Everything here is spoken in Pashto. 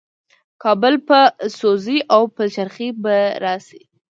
کابل به سوځي او پلچرخي به راشي.